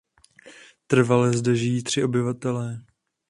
Trvale zde žijí tři obyvatelé.